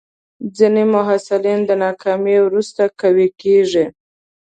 ځینې محصلین د ناکامۍ وروسته قوي کېږي.